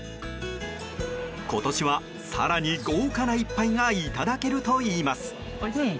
今年は更に豪華な一杯がいただけるといいます。